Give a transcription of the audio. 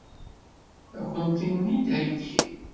Ad kent-ten-id-theggi?